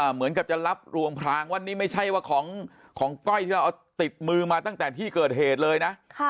เหมือนกับจะรับรวงพรางว่านี่ไม่ใช่ว่าของก้อยที่เราเอาติดมือมาตั้งแต่ที่เกิดเหตุเลยนะ